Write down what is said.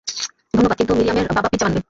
ধন্যবাদ, কিন্তু মিরিয়ামের বাবা, পিজ্জা আনবে।